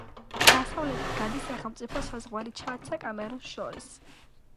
დასავლეთით გადის სახელმწიფო საზღვარი ჩადსა კამერუნს შორის.